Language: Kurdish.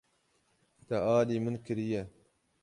Te alî min kiriye.